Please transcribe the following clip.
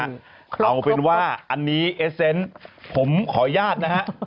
ครบนะครับเอาเป็นว่าอันนี้เอสเซนต์ผมขอญาตรนะฮะ